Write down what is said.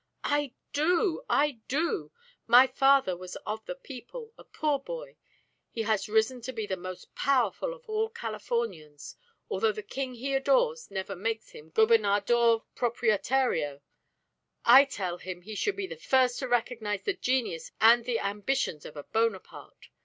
"I do! I do! My father was of the people, a poor boy. He has risen to be the most powerful of all Californians, although the King he adores never makes him Gobernador Proprietario. I tell him he should be the first to recognize the genius and the ambitions of a Bonaparte.